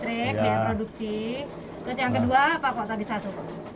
terus yang kedua apa kok tadi satu